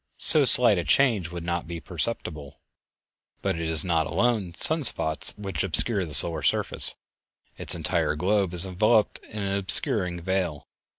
So slight a change would not be perceptible; but it is not alone sun spots which obscure the solar surface, its entire globe is enveloped with an obscuring veil.